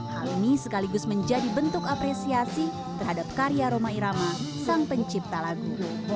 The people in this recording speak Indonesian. hal ini sekaligus menjadi bentuk apresiasi terhadap karya roma irama sang pencipta lagu